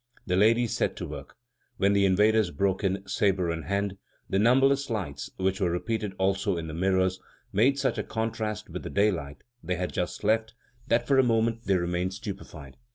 The ladies set to work. When the invaders broke in, sabre in hand, the numberless lights, which were repeated also in the mirrors, made such a contrast with the daylight they had just left, that for a moment they remained stupefied.